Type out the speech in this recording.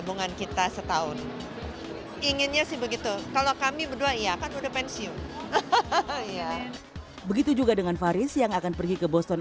begitu juga dengan faris yang akan pergi ke boston